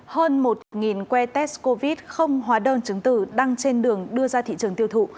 hơn một que test covid không hóa đơn chứng từ đang trên đường đưa ra thị trường tiêu thụ